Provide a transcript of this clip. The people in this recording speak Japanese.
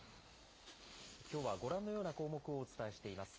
きょうはご覧のような項目をお伝えしています。